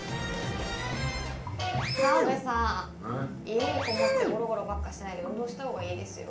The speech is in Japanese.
家にこもってゴロゴロばっかしてないで運動した方がいいですよ